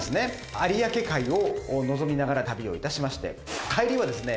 有明海を望みながら旅を致しまして帰りはですね